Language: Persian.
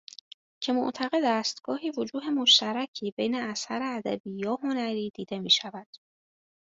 که معتقد است گاهی وجوه مشترکی بین اثر ادبی یا هنری دیده میشود